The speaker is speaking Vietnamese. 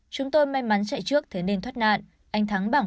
chúng tôi may mắn chạy trước thế nên thoát nạn